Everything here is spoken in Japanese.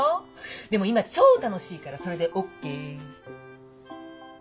でも今超楽しいからそれでＯＫ。